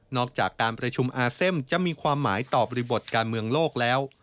จากการประชุมอาเซมจะมีความหมายต่อบริบทการเมืองโลกแล้ว